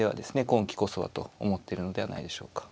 今期こそはと思ってるのではないでしょうか。